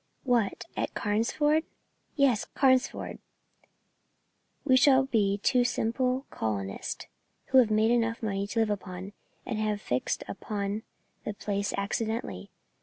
"What, at Carnesford?" "Yes, Carnesford. We shall be two simple colonists, who have made enough money to live upon, and have fixed upon the place accidentally.